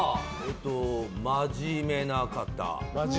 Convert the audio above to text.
真面目な方。